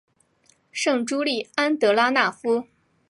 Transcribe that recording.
圣朱利安德拉讷夫。